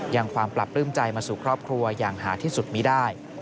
ยังความปรับปลื้มใจมาสู่ครอบครัวอย่างหาที่สุดมีได้